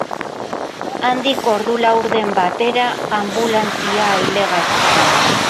Handik ordu laurden batera, anbulantzia ailegatu zen.